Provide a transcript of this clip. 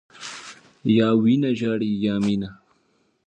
یا وینه ژاړي، یا مینه.